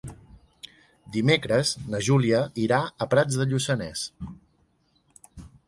Dimecres na Júlia irà a Prats de Lluçanès.